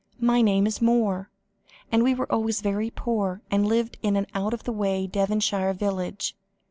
"My name is Moore, and we were always very poor, and lived in an out of the way Devonshire village.